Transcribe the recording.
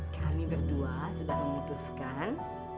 kami berdua sudah memutuskan